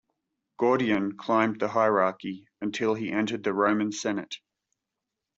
Gordian climbed the hierarchy until he entered the Roman Senate.